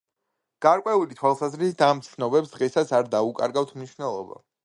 გარკვეული თვალსაზრისით ამ ცნობებს დღესაც არ დაუკარგავთ მნიშვნელობა.